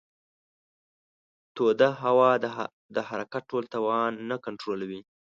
توده هوا د حرکت ټول توان نه کنټرولوي.